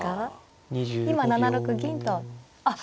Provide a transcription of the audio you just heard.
今７六銀とあっ。